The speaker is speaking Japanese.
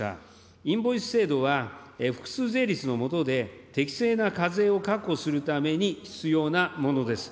インボイス制度は複数税率のもとで適正な課税を確保するために、必要なものです。